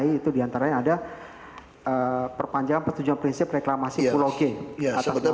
itu diantaranya ada perpanjangan stujum prinsip reklamasi kulotin ya sebutan